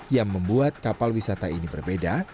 yang membuat kapal wisata ini berbeda